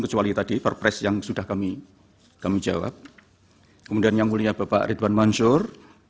kecuali tadi perpres yang sudah kami jawab kemudian yang mulia bapak ridwan mansur